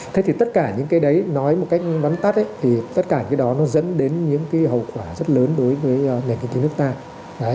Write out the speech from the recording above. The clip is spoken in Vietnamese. thế thì tất cả những cái đấy nói một cách vắn tắt thì tất cả cái đó nó dẫn đến những hậu quả rất lớn đối với nền kinh tế nước ta